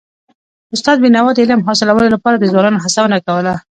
استاد بينوا د علم حاصلولو لپاره د ځوانانو هڅونه کوله.